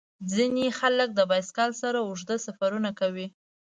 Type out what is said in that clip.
ځینې خلک د بایسکل سره اوږده سفرونه کوي.